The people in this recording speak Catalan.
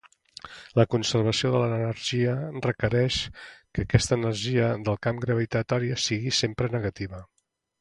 La conservació de l'energia requereix que aquesta energia del camp gravitatori sigui sempre negativa.